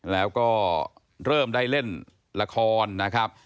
แล้วก็เริ่มได้เล่นละครนะครับ